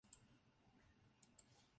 入库列车则利用该横渡线前往车库。